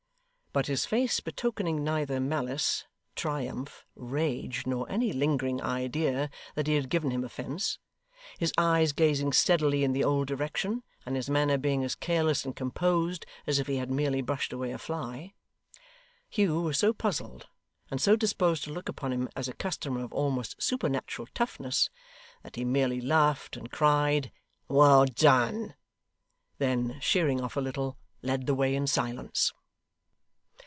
But his face betokening neither malice, triumph, rage, nor any lingering idea that he had given him offence; his eyes gazing steadily in the old direction, and his manner being as careless and composed as if he had merely brushed away a fly; Hugh was so puzzled, and so disposed to look upon him as a customer of almost supernatural toughness, that he merely laughed, and cried 'Well done!' then, sheering off a little, led the way in silence.